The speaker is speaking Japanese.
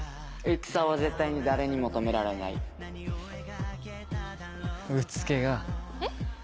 戦は絶対に誰にも止められないうつけが。えっ？